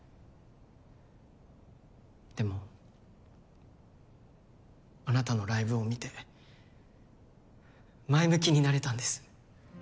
でもあなたのライブを見て前向きになれたんです。